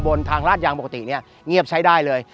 บนทางลาดยางปกติเงียบใช้ได้เลย